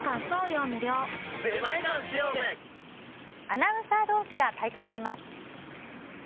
アナウンサー同士が対決します。